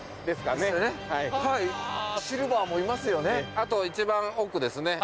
あと一番奥ですね。